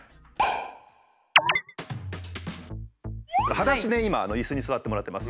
はだしで今イスに座ってもらってます。